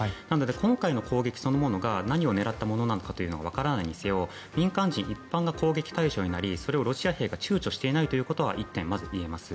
今回の攻撃そのものが何を狙ったものなのかはわからないにせよ民間人、一般が攻撃対象になりそれをロシア兵が躊躇していないということはまず１点言えます。